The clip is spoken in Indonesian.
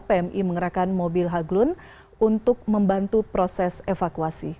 pmi mengerakkan mobil haglund untuk membantu proses evakuasi